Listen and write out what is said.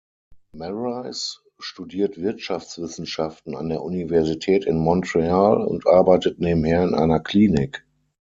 Maryse studiert Wirtschaftswissenschaften an der Universität in Montreal und arbeitet nebenher in einer Klinik.